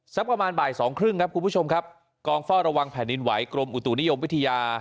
สักประมาณบ่ายสองครึ่งครับคุณผู้ชมครับกองเฝ้าระวังแผ่นดินไหวกรมอุตุนิยมวิทยา